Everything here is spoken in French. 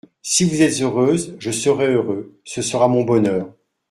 Si vous êtes heureuse, je serai heureux … Ce sera mon bonheur.